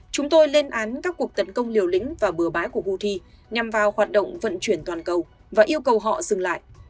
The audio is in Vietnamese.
chúng tôi lên án các cuộc tấn công liều lĩnh và bừa bãi của houthi nhằm vào hoạt động vận chuyển toàn cầu và yêu cầu họ dừng lại